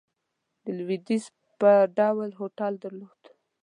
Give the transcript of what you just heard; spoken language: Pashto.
د لوېدیځ په ډول هوټل درلود.